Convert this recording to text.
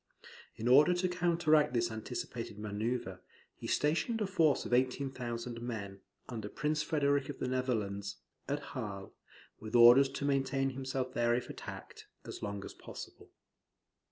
In order to counteract this anticipated manoeuvre, he stationed a force of 18,000 men, under Prince Frederick of the Netherlands, at Hal, with orders to maintain himself there if attacked, as long as possible.